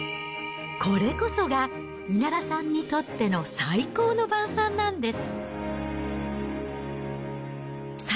これこそが稲田さんにとっての最高の晩さんなんです。